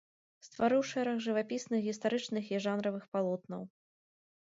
Стварыў шэраг жывапісных гістарычных і жанравых палотнаў.